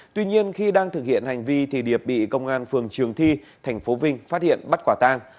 tuy nhiên khi đang thực hiện hành vi thì điệp bị công an phường trường thi tp vinh phát hiện bắt quả tang